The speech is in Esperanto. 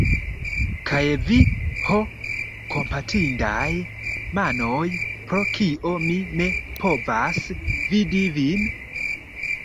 Kaj vi, ho, kompatindaj manoj, pro kio mi ne povas vidi vin?